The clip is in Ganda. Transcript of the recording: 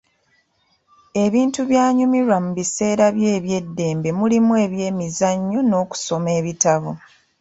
Ebintu by'anyumirwa mu biseera bye eby'eddembe mulimu ebyemizannyo n'okusoma ebitabo